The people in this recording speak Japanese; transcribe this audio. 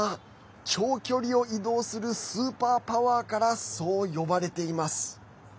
長距離を移動するスーパーパワーからそう呼ばれています。